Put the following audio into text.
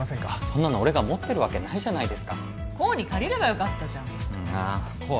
そんなの俺が持ってるわけないじゃないですか功に借りればよかったじゃんあ功